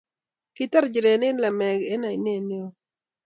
kitar nchirenik ramek eng' oine noe